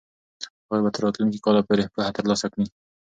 هغوی به تر راتلونکي کاله پورې پوهه ترلاسه کړي.